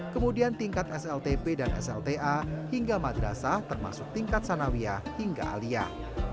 kemudian tingkat sltp dan slta hingga madrasah termasuk tingkat sanawiyah hingga aliyah